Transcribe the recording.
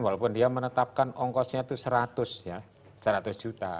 walaupun dia menetapkan ongkosnya itu seratus ya seratus juta